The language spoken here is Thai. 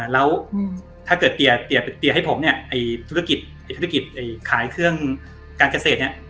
แล้วถ้าเกิดเตียให้ผมเนี่ยธุรกิจขายเครื่องการเกษตรเนี่ย